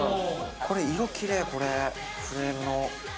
これ、色きれい、フレームの。